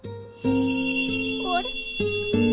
あれ？